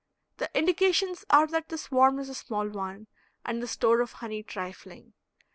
The indications are that the swarm is a small one, and the store of honey trifling.